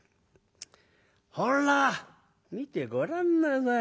ほら見てごらんなさい。